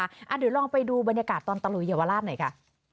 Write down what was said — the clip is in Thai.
เดี๋ยวลองไปดูบรรยากาศตอนตะลุยเยาวราชหน่อยค่ะ